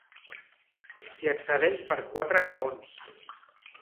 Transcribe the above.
S'hi accedeix per quatre graons.